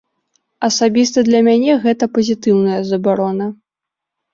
Асабіста для мяне гэта пазітыўная забарона.